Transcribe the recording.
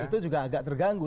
itu juga agak terganggu